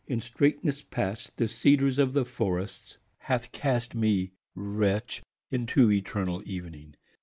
In straightnes past the Cedars of the forrests , Hath cast me wretch into eternall evening.